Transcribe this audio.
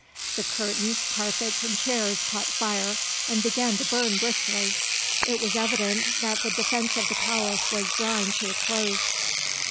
The curtains, carpets, and chairs caught fire and began to burn briskly; it was evident that the defence of the palace was drawing to a close.